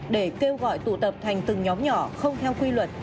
để kêu gọi tụ tập thành từng nhóm nhỏ không theo quy luật